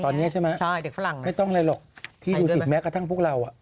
ตอนนี้ใช่ไหมไม่ต้องอะไรหรอกพี่ดูสิแม้กระทั่งพวกเรา